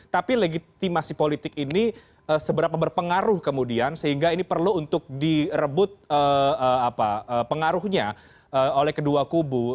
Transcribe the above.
tapi legitimasi politik ini seberapa berpengaruh kemudian sehingga ini perlu untuk direbut pengaruhnya oleh kedua kubu